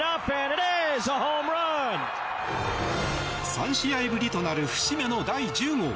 ３試合ぶりとなる節目の第１０号。